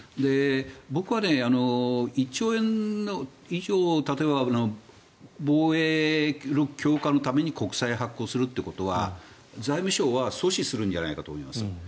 僕は１兆円以上例えば防衛力強化のために国債を発行するということは財務省は阻止するんじゃないかと思います。